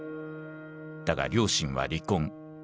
だが両親は離婚。